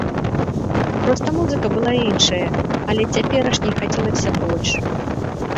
Проста музыка была іншая, але цяперашняй хацелася больш.